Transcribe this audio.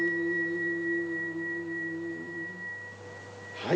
はい。